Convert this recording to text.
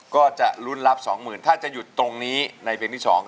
ก็จะลุ้นรับสองหมื่นถ้าจะหยุดตรงนี้ในเพลงที่สอง